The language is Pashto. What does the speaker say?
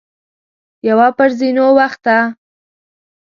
يوه پر زينو وخته.